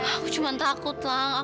aku cuma takut lang